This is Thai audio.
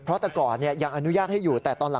พระขู่คนที่เข้าไปคุยกับพระรูปนี้